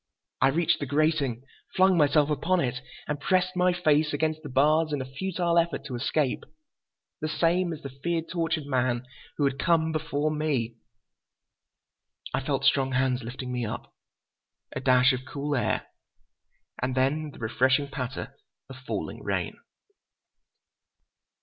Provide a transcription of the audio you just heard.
I reached the grating, flung myself upon it and pressed my face against the bars in a futile effort to escape. The same—as the fear tortured man—who had—come before—me. I felt strong hands lifting me up. A dash of cool air, and then the refreshing patter of falling rain.